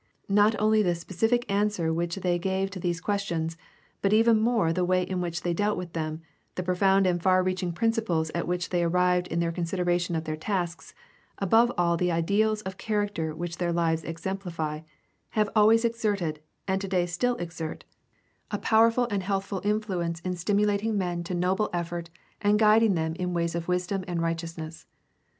Not only the specific answer which they gave to these questions, but even more the way in which they dealt with them, the profound and far reaching principles at which they arrived in their consideration of their tasks, above all the ideals of character which their lives exemplify, have always exerted and today still exert a powerful and 236 GUIDE TO STUDY OF CHRISTIAN RELIGION healthful influence in stimulating men to noble effort and guid ing them in ways of wisdom and righteousness.